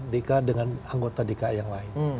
dki dengan anggota dki yang lain